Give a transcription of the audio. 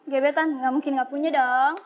gebetan gak mungkin gak punya dong